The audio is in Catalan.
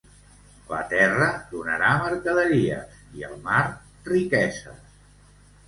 La terra donarà mercaderies, i el mar, riqueses.